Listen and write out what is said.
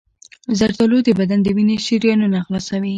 زردآلو د بدن د وینې شریانونه خلاصوي.